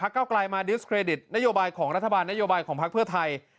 เก้าไกลมาดิสเครดิตนโยบายของรัฐบาลนโยบายของพักเพื่อไทย